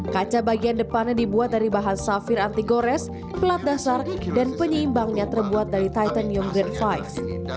kaca bagian depannya dibuat dari bahan safir anti gores pelat dasar dan penyeimbangnya terbuat dari titanium green lima